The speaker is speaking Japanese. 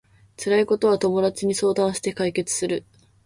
辛いことは友達に相談して解決する